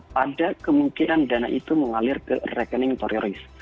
pada kemungkinan dana itu mengalir ke rekening teroris